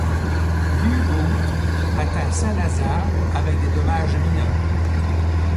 L'U-Boot atteint Saint-Nazaire avec des dommages mineurs.